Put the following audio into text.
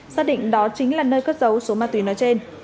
xác định đó chính là nơi cất dấu số ma túy nói trên